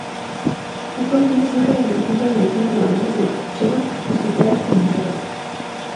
Actualmente sirve en la Junta Directiva de Amigos del Sheba Hospital en Israel.